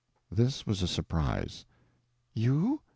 This was a surprise. "You?